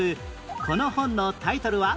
この本のタイトルは？